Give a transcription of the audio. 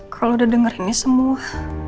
kalau udah denger ini semua